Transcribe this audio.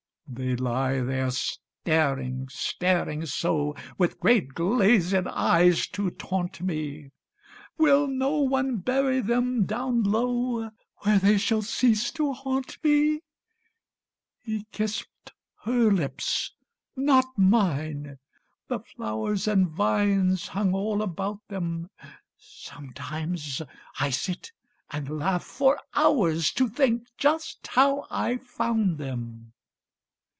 They lie there, staring, staring so With great, glazed eyes to taunt me. Will no one bury them down low, Where they shall cease to haunt me? He kissed her lips, not mine; the flowers And vines hung all about them. Sometimes I sit and laugh for hours To think just how I found them.